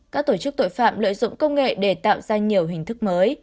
các tổ chức tội phạm lợi dụng công nghệ để tạo ra nhiều hình thức mới